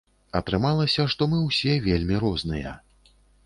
Атрымалася, што мы ўсе вельмі розныя.